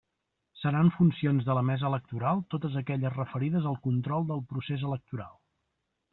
Seran funcions de la Mesa Electoral totes aquelles referides al control del procés electoral.